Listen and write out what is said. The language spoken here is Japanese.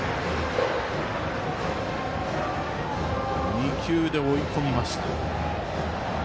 ２球で追い込みました。